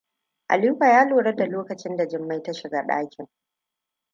Aliko ya lura da lokacin da Jummai ta shiga ɗakin.